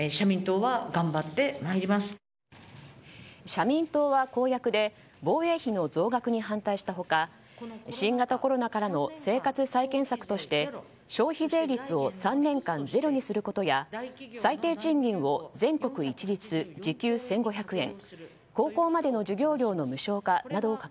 社民党は公約で防衛費の増額に反対した他新型コロナからの生活再建策として消費税率を３年間ゼロにすることや最低賃金を全国一律時給１５００円